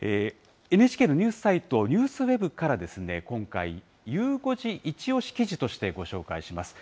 ＮＨＫのニュースサイト、ＮＥＷＳＷＥＢから今回、ゆう５時イチオシ記事としてご紹介します。